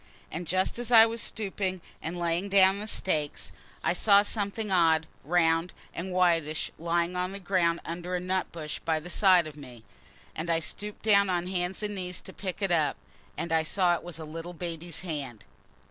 And just as I was stooping and laying down the stakes, I saw something odd and round and whitish lying on the ground under a nut bush by the side of me. And I stooped down on hands and knees to pick it up. And I saw it was a little baby's hand."